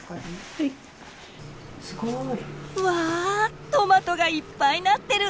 すごい！わトマトがいっぱいなってる！